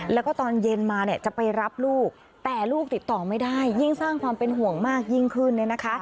แล้วก็ตอนเย็นมาเนี่ยจะไปรับลูกแต่ลูกติดต่อไม่ได้ยิ่งสร้างความเป็นห่วงมากยิ่งขึ้นเนี่ยนะคะ